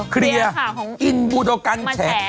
เคลียร์ข่าวของอินบูโดกันแชก